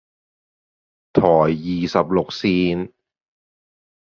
台二十六線